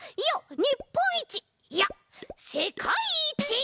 いやせかいいち！